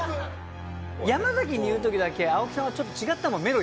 山崎に言う時だけ青木さんはちょっと違ったもん